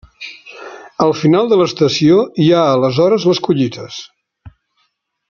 Al final de l'estació hi ha aleshores les collites.